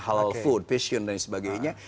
halal food fashion dan sebagainya